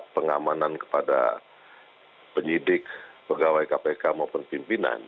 pengamanan kepada penyidik pegawai kpk maupun pimpinan